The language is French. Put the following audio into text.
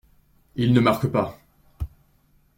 Il ne marque pas.